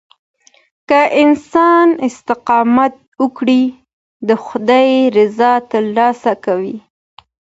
که انسان استقامت وکړي، د خداي رضا ترلاسه کوي.